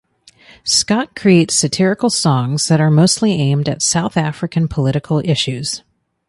Scott creates satirical songs that are mostly aimed at South African political issues.